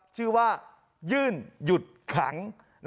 ชื่อว่ายื่นหยุดขัง